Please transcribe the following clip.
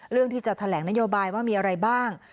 เรื่องที่จะแถลงนโยบายว่ามีอะไรบ้าง